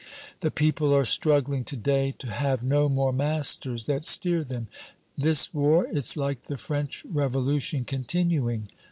"The people are struggling to day to have no more masters that steer them. This war, it's like the French Revolution continuing."